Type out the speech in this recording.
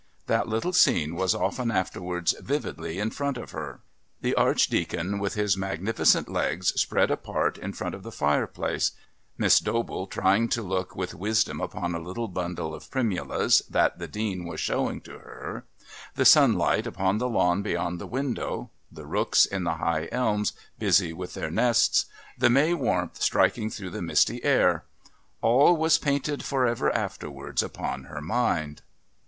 That little scene was often afterwards vividly in front of her the Archdeacon, with his magnificent legs spread apart in front of the fireplace; Miss Dobell trying to look with wisdom upon a little bundle of primulas that the Dean was showing to her; the sunlight upon the lawn beyond the window; the rooks in the high elms busy with their nests; the May warmth striking through the misty air all was painted for ever afterwards upon her mind.